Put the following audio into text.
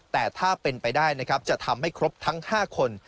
แต่ถ้าเป็นไปได้นะครับจะทำให้ครบทั้ง๕คน